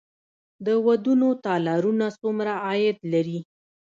د ودونو تالارونه څومره عاید لري؟